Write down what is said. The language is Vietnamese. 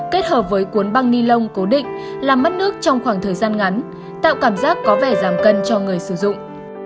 kết hợp với cuốn băng ni lông cố định làm mất nước trong khoảng thời gian ngắn tạo cảm giác có vẻ giảm cân cho người sử dụng